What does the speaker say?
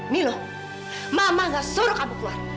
milo mama tidak suruh kamu keluar